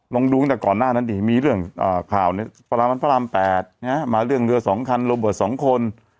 ลองดูตั้งแต่ก่อนหน้านั้นดิมีเรื่องข่าวประมาณพระราม๘มาเรื่องเรือ๒คันโรเบิร์ต๒คน